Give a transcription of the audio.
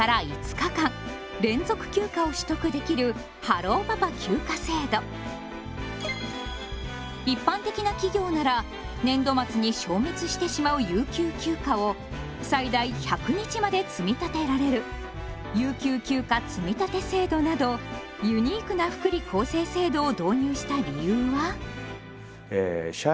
このほか一般的な企業なら年度末に消滅してしまう有給休暇を最大１００日まで積み立てられる「有給休暇積立制度」などユニークな福利厚生制度を導入した理由は？